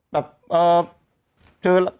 แบบเจอละ